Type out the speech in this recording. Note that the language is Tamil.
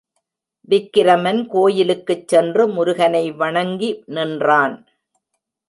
விக்கிரமன் கோயிலுக்குச் சென்று முருகனை வணங்கி நின்றான்.